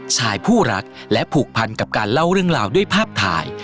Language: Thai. ชายผู้รักและผูกพันกับการเล่าเรื่องราวด้วยภาพถ่าย